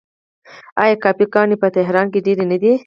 آیا کافې ګانې په تهران کې ډیرې نه دي؟